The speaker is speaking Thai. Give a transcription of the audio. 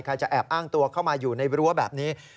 จะแอบอ้างตัวเข้ามาอยู่ในรั้วแบบนี้